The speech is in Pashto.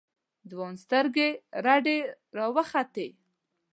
ځوان سترگې رډې راوختې.